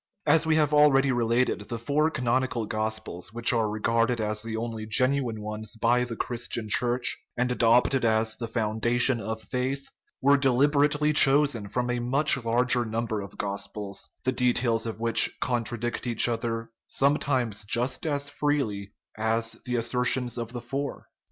As we have already related, the four canonical gospels which are regarded as the only genuine ones by the Christian Church, and adopted as the foundation of faith, were deliberately chosen from a much larger num ber of gospels, the details of which contradict each other sometimes just as freely as the assertions of the four.